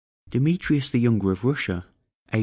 DEMETRIUS THE YOUNGER OF RUSSIA. A.